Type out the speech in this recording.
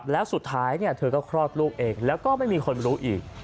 แล้วสุดท้ายเธอก็คลอดลูกเองแล้วก็ไม่มีคนรู้อีก